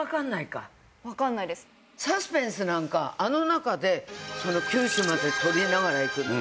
サスペンスなんかあの中で九州まで撮りながら行くの。